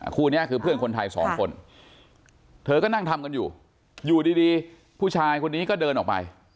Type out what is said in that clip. คู่นี้คือเพื่อนคนไทยสองคนเธอก็นั่งทำกันอยู่อยู่ดีผู้ชายคนนี้ก็เดินออกไป